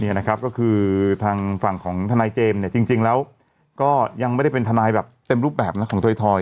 นี่นะครับก็คือทางฝั่งของทนายเจมส์เนี่ยจริงแล้วก็ยังไม่ได้เป็นทนายแบบเต็มรูปแบบนะของถอย